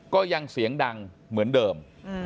ก็ยังเสียงดังเหมือนเดิม